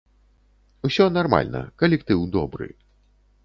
Усё нармальна, калектыў добры.